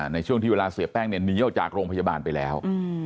ในช่วงที่เวลาเสียแป้งเนี่ยหนีออกจากโรงพยาบาลไปแล้ว